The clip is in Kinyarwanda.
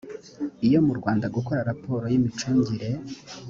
iyo mu rwanda gukora raporo y imicungire